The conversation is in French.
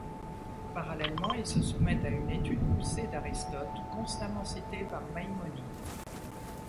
Parallèlement, il se soumet à une étude poussée d'Aristote, constamment cité par Maïmonide.